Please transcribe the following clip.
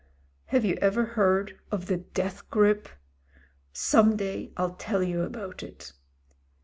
" 'Have you ever heard of the Death Grip? Some day i'U tell you about it.'